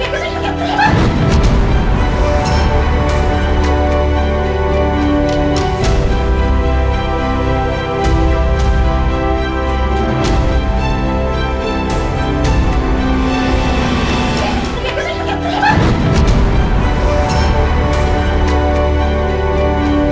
pergi pergi pergi